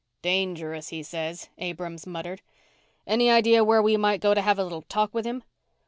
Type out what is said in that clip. "Dangerous, he says," Abrams muttered. "Any idea where we might go to have a little talk with him?"